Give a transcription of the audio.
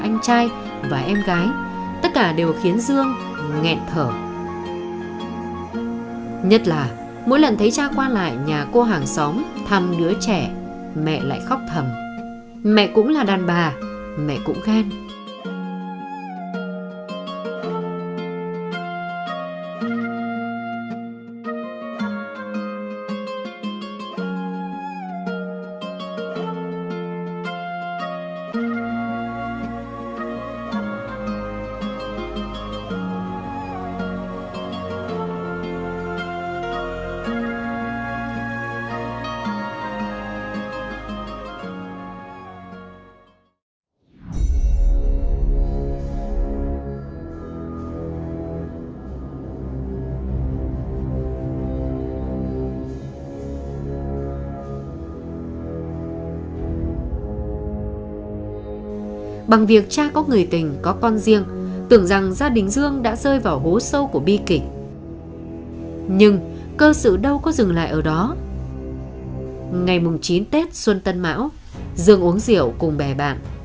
ngày chín tết xuân tân mão dương uống rượu cùng bè bạn